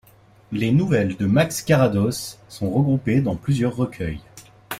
Les nouvelles de Max Carrados sont regroupées dans plusieurs recueils.